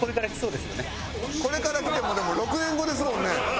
これからきてもでも６年後ですもんね。